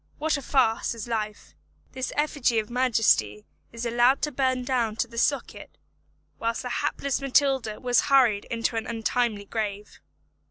What a farce is life. This effigy of majesty is allowed to burn down to the socket, whilst the hapless Matilda was hurried into an untimely grave.